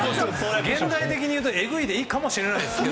現代的に言うとえぐいでいいかもしれないですが。